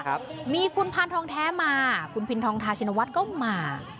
ครับมีคุณพานทองแท้มาคุณพินทองทาชินวัฒน์ก็มา